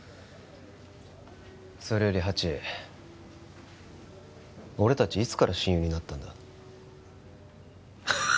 それよりハチ俺たちいつから親友になったんだ？